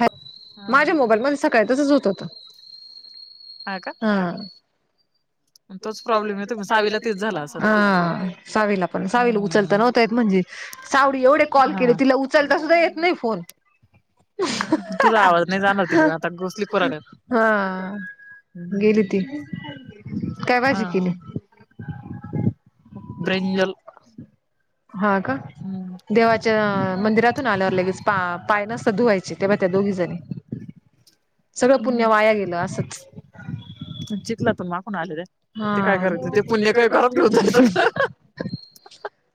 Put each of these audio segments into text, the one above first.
ह माझ्या मोबाईल मध्ये सकाळ तसच होत होत ह का हा हा सावीला पण सावीला उचलता नव्हतायेत म्हणजे सावडी एवढे कॉल केले तिला उचलता सुद्धा येत नाही फोन हा गेली ती काय वाजी केली ब्रेंजल ह देवाच्या मंदिरातून आल्यावर लगेच पा पायन स धुवायचे तेव्हा त्या दोघी जणी सगळं पुण्य वाया गेलं असंच हा ते पुणे काय [unintelligible] ठेवतय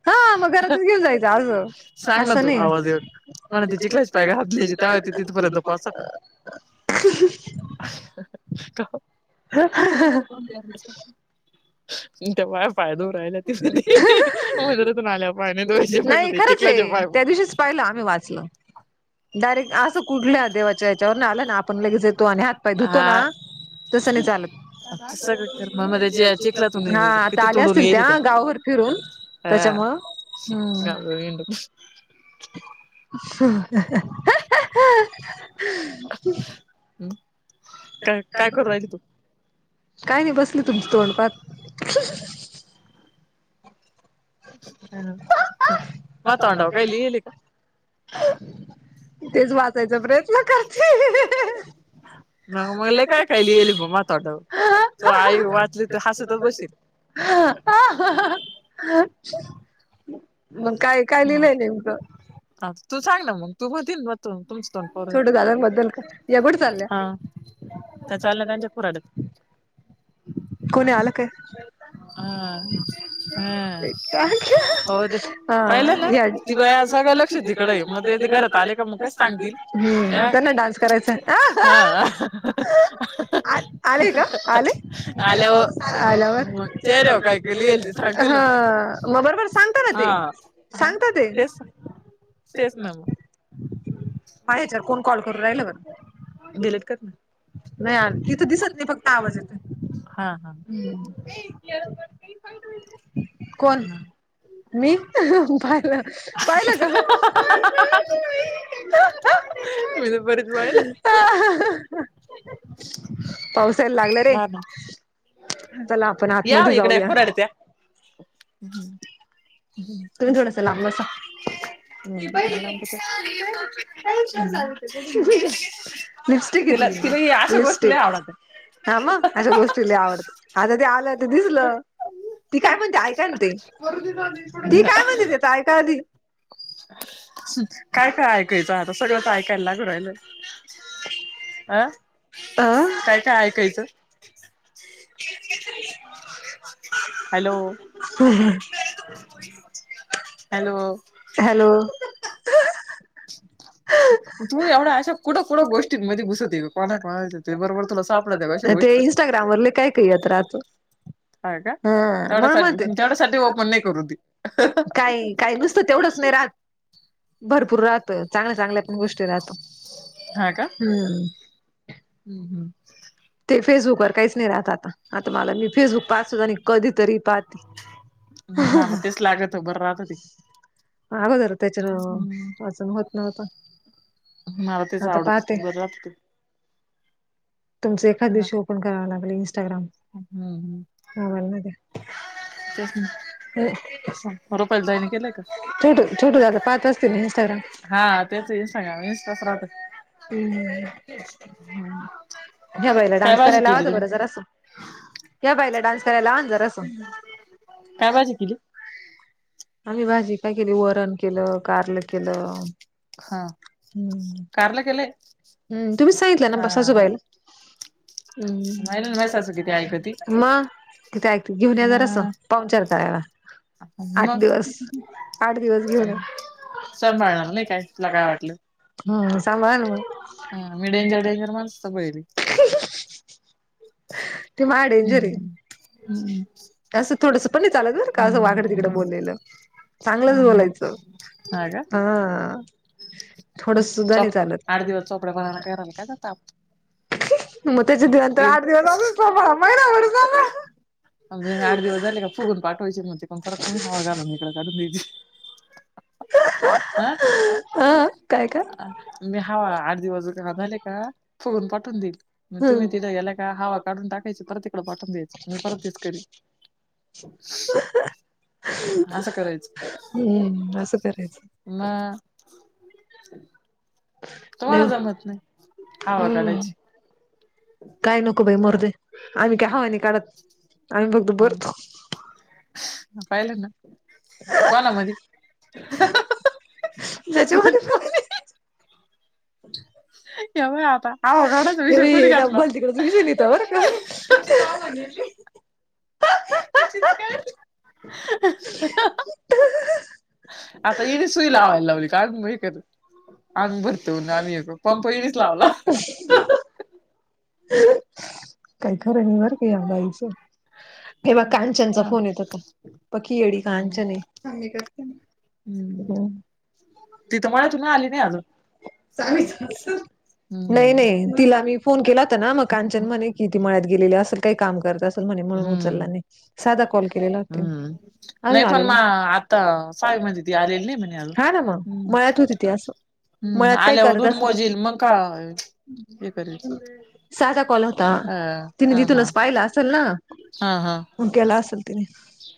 हा मग घरातच घेऊन जायचं अग, असं नाही. ते बाय फायदा हो राहिला, ति मजरातून आल्या. बा नाही दोनशे [unintelligible] चिखलाचे पाय आ सगळीकड म मध्याच्या चिखलात. किती तोडुन येलाते हा घालु हिंडुन हु काय काय करु राहीली तू? काय नाही बसले तुमच तोंडपात हम् हम ह बततव तेच वाचायचा प्रयत्न करतीये. मग मग, ल लय काय काय लीलय मा तोंडावर तू आई वाचली तर हसतच बसील. हा तू सांग ना मग तू होतीलन मग त तुम दोन पोरं आहेत, हा त्या चाललं त्यांच्या खुरड्यात कोणी आला काय? हा हम होऊदे. पाहिलं ना, ती बाया सगळं लक्ष तिकडे मग ते घरात आले का मग कसं सांगतील? अ हा हॅलो, आलवर ह मग बरोबर सांगता ना ते, सांगता ते पाहा याच्यावर कोण कॉल करून राहिल बर? नाही आ तिथं दिसत नाही, फक्त आवाज येतो. हम् हम मी पाहिलं पाहिलं का? परत पायल पाऊस यायला लागला रे याव इकडं खुरडत्या. तुम्ही थोडासा लांब बसा. हम् क [unintelligible] तिला तिला अशा गोष्टी लय आवडत्यात. हा म अशा गोष्टी लय आवड्यात, आता ते आलं ते दिसल, ती काय म्हणत्या ऐक. काय म्हणती? [unintelligible] काय काय ऐकायचं आता, सगळंच ऐकायला लागु राहिलय. अ काय काय ऐकायचं? हॅलो हम्म हम्म [unintelligible] हॅलो तू एवढ्या अशा कुठं - कुठं गोष्टींमध्ये घुसत गं. कोणा - कोणाच्या. बरोबर तुला सा- ते इंस्टाग्रामवर लइ काय - काही येत राहत. हा, का. तेवढ्यासाठी- तेवढ्यासाठी, ओपन नाही करू दि. [unintelligible] काइ काही दिसत तेवढंच करा. भरपूर राहतात, चांगल्या- चांगल्या गोष्टी. हा का. हम्म, हम्. ते फेसबुकवर काहीच नाही राहत आता. आता मला मी, फेसबुक पाहत सुद्धा नाही. कधीतरी पाहते. [unintelligible] अगोदर त्याच्यान, वाचून होत नव्हतं. मला तेच आवडत. बरं राह तुमच एखाद दिवशी ओपन कराव लागल इंस्टाग्राम. मोबाईलमधि. तेच, ना. रुपाली ताईनी केलंय का? [inaudible] हा, त्याचं इंस्टाग्रामय. इंस्टाचं राहत. हम्म. [inaudible] हा [inaudible] काय भाजी केली तुम्ही? [inaudible] काय पाहिजे किली? आम्ही भाजी काय केली? वरण केलं, कारलं केलं. हम्म. कारल केलय. अं, तुम्ही सांगितलं ना सासू बाईला. हम्. नणंद बाईसारखं आहे न ती? म. तिथे [unintelligible] घेऊन या जरासं, पाहूनचार करायला. आठ दिवस - आठ दिवस घेऊन या. [unintelligible] तुला काय वाटलं. हम्म, सांभाळल ना मग. [unintelligible] [inaudible] गाडी घेऊन. हम्. ह्. असं थोडीच [unintelligible] चांगलंच बोलायचं. हा. थोडस सुद्धा नाही चालत. [unintelligible] उद्याचं जेवण. चार दिवस असच सांभाळा. महिनाभर सांभाळा. म्हणजे आठ दिवस झाले का, फुगून पाठवायचे म्हणते पण परत तुम्ही हवा घालून ईकड काढून द्यायची. [unintelligible] [unintelligible] मी हवा, आठ दिवस घा झाले का? फुगून पाठवून देईल. मग तुम्ही तिथ गेल्या का, हवा काढून टाकायचं. परत तिकडं पाठवून द्यायचं. मी परत तेच करी [unintelligible] हम्म. असं करायचं. म. तुम्हाला जमत नाय. हवा काढायची. काय नको बाई मरू दे. आम्ही काय हवा नाही काढत. आम्ही फक्त भरतो. [unintelligible] ज्याच्यामध्ये [unintelligible] [unintelligible] हवा काढायचा विषय कुनी घ्यातला? [unintelligible] तुमची जाव म्हंटली. [unintelligible] आता इने सुई लावायला लावली का? आन ही कर. आन भर. झाल [unintelligible] पंप हीनच लावला. [unintelligible] काय खरं नाही बर का, या बाईच. हे बग कांचनचा फोन येत होता. पक्की येडी कांचनय. थांब मी करते. हम्म, ती त मळ्यातून आली नाही अजून. [unintelligible] नाही - नाही. तिला मी फोन केला तर ना मग कांचन म्हणे कि, ती मळ्यात गेलेली असंल. काही काम करत असेल म्हणे. म्हणून चल ना नीग साधा कॉल केलेला तीने [unintelligible] हा ना मग मळ्यात होती ती असं. मळ्यात काय करतस म्हणजे. [unintelligible] साधा कॉल होता तिने तिथूनच पाहिला असेल ना. हां हां.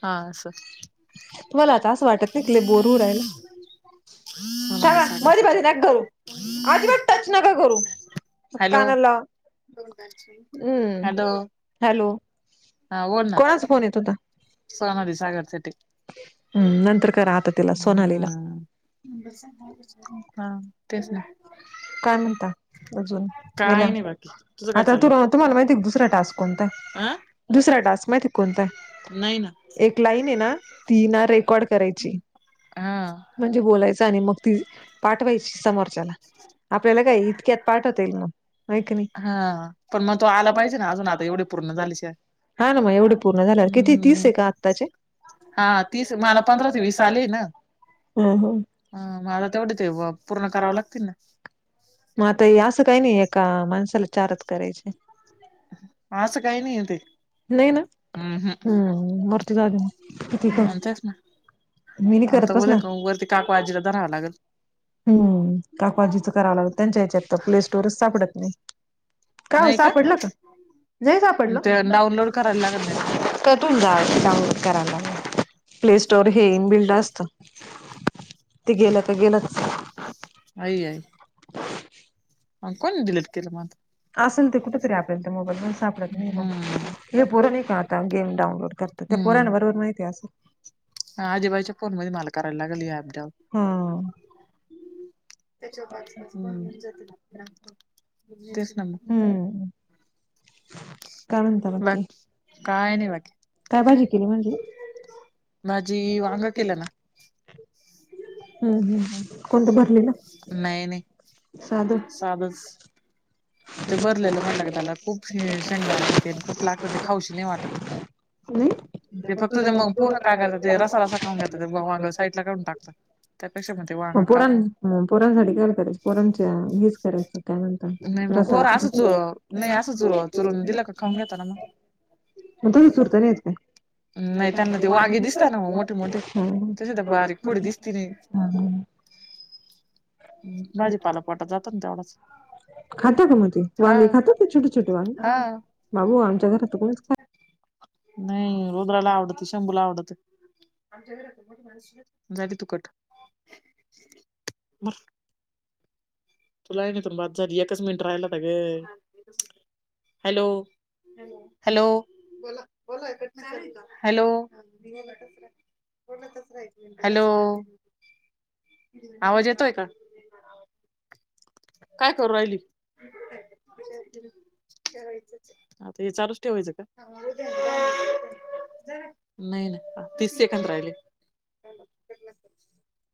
हा असं. [inaudible] [unintelligible] हॅलो [unintelligible] हम्म हॅलो. हा बोल ना. सोनाली सागर शेट्टी [unintelligible] हम्म. [unintelligible] हा तेच ना, काय नाही बघ. तुझं काय चाललंय, आं. [unintelligible] नाही ना हा [unintelligible] [inaudible] आपल्याला काय इतक्यात पाठ होतंय का मग. हां पण म तो आला पाहिजे ना अजून आता एवढी पूर्ण झाली वर्ष. हा ना म एवढे पूर्ण झाल्यावर किती तीस आहे का आत्ताचे. हा तीस हजार पंधरा दिल चालेल काय. हम्म हम्म [unintelligible] म आता हे असं काही नाही एका माणसाला चारच करायचे. आसं काही नाहीये ते. नाही ना हम्म मरतु जा किती कर. [unintelligible] आता बरं हाय का वरती काकू आजी दादा राहणार आहेत. हम्म काकु आजीचं करावं लागत त्यांच्या याच्यात तर प्ले स्टोरच सापडत नाही. काय हो सापडलं का. नाही सापडलं [unintelligible] करून जा डाऊनलोड कराय ला प्ले स्टोर हे इन बिल्ड असतं ते गेलं का गेलंच. आई आई, आन कोण डिलीट केलं म. असेल ते कुठ तरी आपल्या इथ त्या मोबाईलवर सापडत नाही बघ हे पोर नाही का आता गेम डाऊनलोड करत. त त्या पोरांन बरोबर माहिती असं. हां आजीबाईच्या फोन मध्ये मला करायला लागली ही ॲप डाऊन. त्याच्या तेच ना म बा काय नाही बाकी माझी वांग केलं ना नाही नाही साध ते भरलेलं म्हटलंग त्याला खूप शंगदा ते आणि खूप लागत ते खाऊशी नाही वाटत तुझ म काते त्यापेक्षा पन ते वाफ पोरण पोरांसाठी काय करायचं पोरणच्या हेच करायचं काय म्हणत बोरं असं चुर नाही असं चुर चुरून दिला का खाऊन घेताना मग नाही त्यांना ते वागे दिसतना मग मोठे मोठे तशी तर बारीक पुढे दिसती नि भाजी पाला पोटात जातात ना तेवढाच खातात का म त ते वांगे खाता ते छोटे छोटे वांगे बाबू आमच्या घरात कोणीच खात नाही रोद्राला आवडत शंभूला आवडत झाली तुकट तुला आहे नाही तून बाात झाली एकच मिनिट राहिला तर ग हॅलो हॅलोलाला हॅलो हॅलो आवाज येतो एका काय करू राहिली आता हे चारच ठेवायचं का नाही ना तीस सेकंद राहिले